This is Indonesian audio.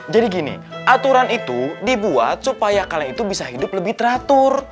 jadi gini aturan itu dibuat supaya kalian itu bisa hidup lebih teratur